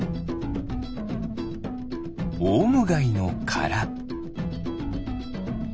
オウムガイのから。